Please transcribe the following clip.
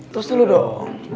tos dulu dong